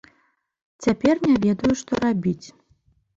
Цяпер не ведаю, што рабіць.